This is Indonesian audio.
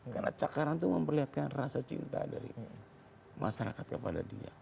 karena cakaran itu memperlihatkan rasa cinta dari masyarakat kepada dia